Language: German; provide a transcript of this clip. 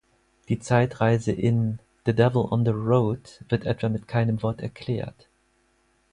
Die Zeitreise in "The Devil on the Road" etwa wird mit keinem Wort erklärt.